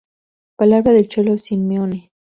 Palabra del Cholo Simeone.